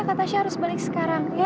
kak tasya harus balik sekarang ya